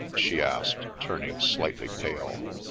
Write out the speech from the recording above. " she asked, turning slightly pale.